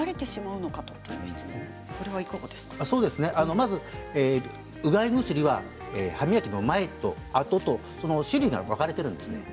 まずうがい薬は歯磨きの前と後種類が分かれています。